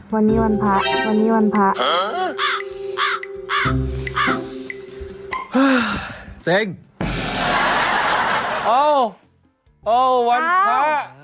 วันนี้วันพระ